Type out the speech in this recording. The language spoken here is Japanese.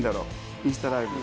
インスタライブ。